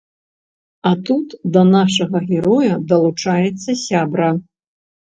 А тут да нашага героя далучаецца сябра.